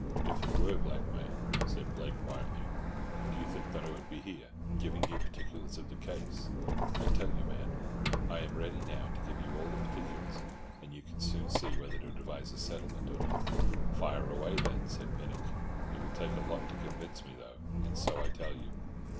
"If it were blackmail," said Blake quietly, "do you think that I would be here, giving you particulars of the case? I tell you, man, I am ready now to give you all particulars, and you can soon see whether to advise a settlement or not." "Fire away, then," said Pinnock. "It will take a lot to convince me, though, and so I tell you."